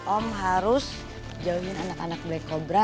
om harus jauhin anak anak black cobra